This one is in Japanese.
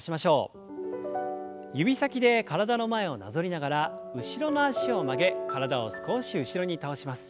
指先で体の前をなぞりながら後ろの脚を曲げ体を少し後ろに倒します。